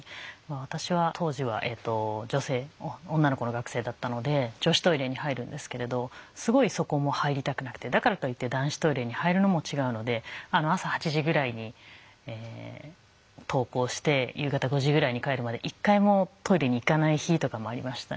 私は当時は女性女の子の学生だったので女子トイレに入るんですけれどすごいそこも入りたくなくてだからといって男子トイレに入るのも違うので朝８時ぐらいに登校して夕方５時ぐらいに帰るまで一回もトイレに行かない日とかもありましたね。